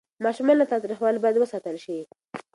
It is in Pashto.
ماشومان له تاوتریخوالي باید وساتل شي.